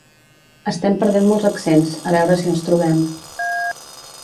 Estem perdent molts accents, a veure si els trobem